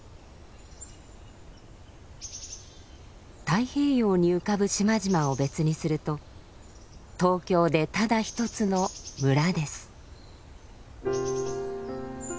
太平洋に浮かぶ島々を別にすると東京でただ一つの村です。